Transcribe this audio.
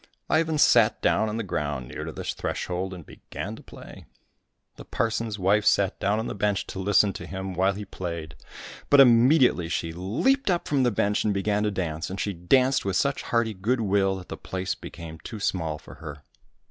Ivan sat down on the ground near to the threshold and began to play. The parson's wife sat down on the bench to listen to him while he played ; but immediately she leaped up from the bench and began to dance, and she danced with such hearty good will that the place became too small for her.